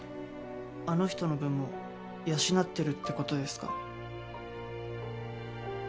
あの人の分も養ってるってことですか？